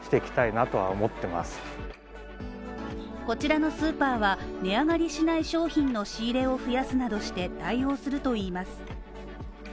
こちらのスーパーは値上がりしない商品の仕入れを増やすなどして対応するといいます。